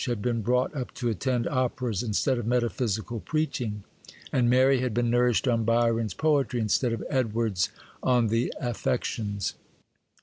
had been brought up to attend operas instead of metaphysical preaching; and Mary had been nourished on Byron's poetry instead of 'Edwards on the Affections.